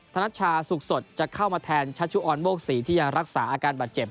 นัชชาสุขสดจะเข้ามาแทนชัชชุออนโมกศรีที่ยังรักษาอาการบาดเจ็บ